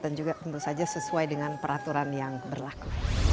dan juga tentu saja sesuai dengan peraturan yang berlaku